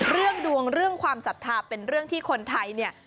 เรื่องดวงเรื่องความศรัทธาเป็นเรื่องที่คนไทยเนี่ย